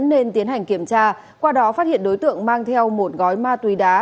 nên tiến hành kiểm tra qua đó phát hiện đối tượng mang theo một gói ma túy đá